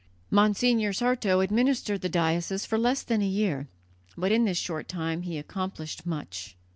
Monsignor Sarto administered the diocese for less than a year, but in this short time he accomplished much.